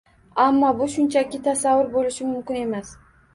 Ammo bu shunchaki tasavvur, bo'lishi mumkin emas